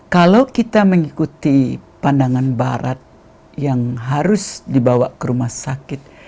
kalau kita mengikuti pandangan barat yang harus dibawa ke rumah sakit